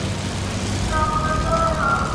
جو نہیں جانتے وفا کیا ہے